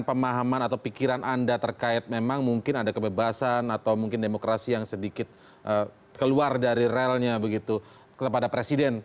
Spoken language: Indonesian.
pemahaman atau pikiran anda terkait memang mungkin ada kebebasan atau mungkin demokrasi yang sedikit keluar dari relnya begitu kepada presiden